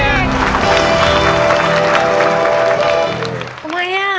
ทำไมอ่ะ